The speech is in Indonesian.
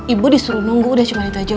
ibu disuruh nunggu udah cuma itu aja